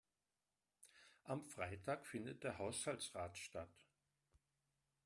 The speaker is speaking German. Am Freitag findet der Haushaltsrat statt.